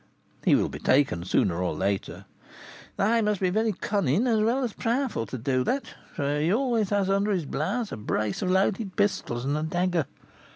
"He will be taken sooner or later." "They must be very cunning, as well as powerful, to do that, for he always has under his blouse a brace of loaded pistols and a dagger.